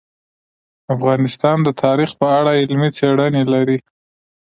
افغانستان د تاریخ په اړه علمي څېړنې لري.